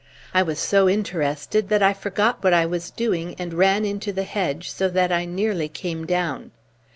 I was so interested that I forgot what I was doing and ran into the hedge so that I nearly came down.